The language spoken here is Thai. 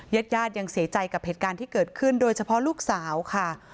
ญาติญาติยังเสียใจกับเหตุการณ์ที่เกิดขึ้นโดยเฉพาะลูกสาวค่ะ